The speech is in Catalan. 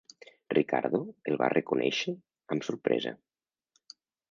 Ricardo el va reconèixer amb sorpresa.